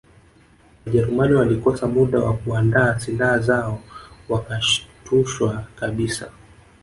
Wajerumani walikosa muda wa kuandaa silaha zao wakashtushwa kabisa